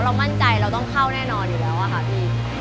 มั่นใจเราต้องเข้าแน่นอนอยู่แล้วอะค่ะพี่